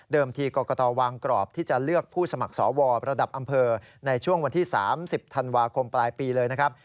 ทีกรกตวางกรอบที่จะเลือกผู้สมัครสวประดับอำเภอในช่วงวันที่๓๐ธันวาคมปลายปีเลยนะครับ